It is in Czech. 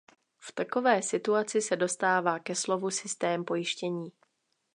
V takové situaci se dostává ke slovu systém pojištění.